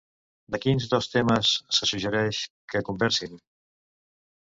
De quins dos temes se suggereix que conversin?